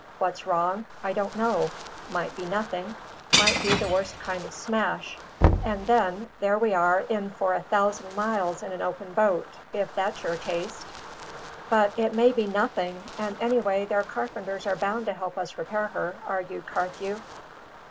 What's wrong? I don't know; might be nothing; might be the worst kind of smash. And then, there we are in for a thousand miles in an open boat, if that's your taste!" "But it may be nothing, and anyway their carpenters are bound to help us repair her," argued Carthew.